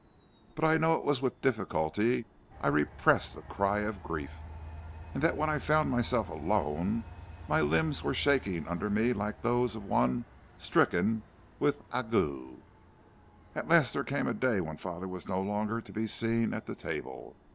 But I know it was with difficulty I repressed a cry of grief, and that when I found myself alone my limbs were shaking under me like those of one stricken with ague. At last there came a day when father was no longer to be seen at the table.